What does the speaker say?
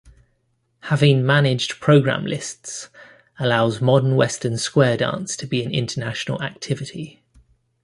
Having managed program lists allows modern Western square dance to be an international activity.